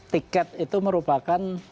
tiket itu merupakan